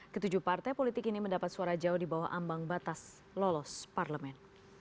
ketujuh partai politik ini mendapat suara jauh di bawah ambang batas lolos parlemen